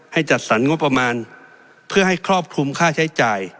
จัดสรรงบประมาณเพื่อให้ครอบคลุมค่าใช้จ่าย